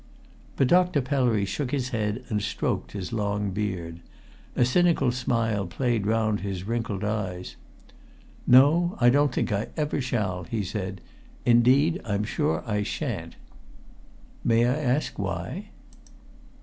But Dr. Pellery shook his head and stroked his long beard. A cynical smile played round his wrinkled eyes. "No, I don't think I ever shall," he said. "Indeed, I'm sure I shan't!" "May I ask why?"